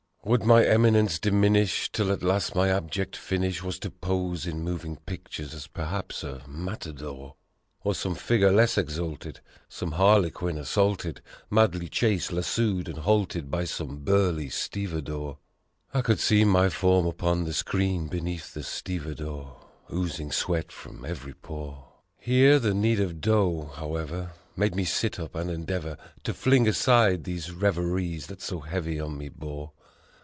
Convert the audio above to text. Would my eminence diminish 'till at last my abject finish Was to pose in moving pictures, as, perhaps, a matador Or some figure less exalted some harlequin as saulted, Madly chased, lassooed and halted by some burly stevedore? I could see my form upon the screen beneath the stevedore, Oozing sweat from every pore ! Here, the need of dough, however, made me sit up and endeavor To fling aside these reveries that so heavy on me bore.